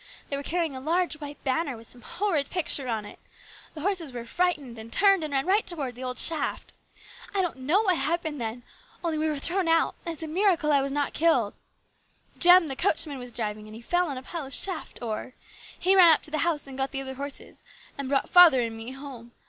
They were carrying a large white banner with some horrid picture on it. The horses were frightened, and turned and ran right towards the old shaft. I don't know what happened then, only we were thrown out ; and it is a miracle that I was not killed. Jem the coachman was driving, and he fell on a pile of shaft ore. He ran up to the house and got the other horses, and brought father and me home.